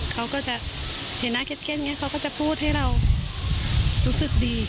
เขาก็จะเห็นหน้าเข้มอย่างนี้เขาก็จะพูดให้เรารู้สึกดี